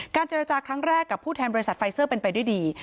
เจรจาครั้งแรกกับผู้แทนบริษัทไฟเซอร์เป็นไปด้วยดี